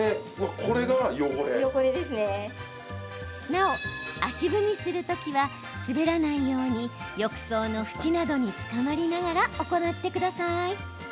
なお、足踏みするときは滑らないように浴槽の縁などにつかまりながら行ってください。